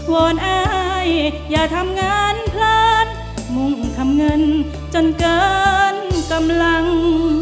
อนอายอย่าทำงานพลาดมุ่งทำเงินจนเกินกำลัง